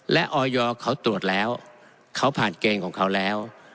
และออยเขาตรวจแล้วเขาผ่านเกณฑ์ของเขาแล้ว